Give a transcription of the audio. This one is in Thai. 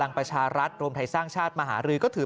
พลังประชารัฐรมไทยสร้างชาติมหารือ